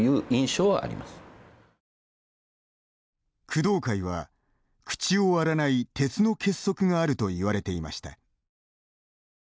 工藤会は口を割らない鉄の結束があるといわれていました。